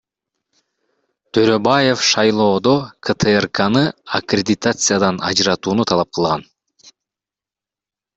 Төрөбаев шайлоодо КТРКны аккредитациядан ажыратууну талап кылган.